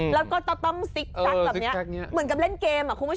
และก็ต้องซิกซักแบบเนี้ย